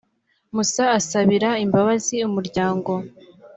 musa asabira imbabazi umuryango.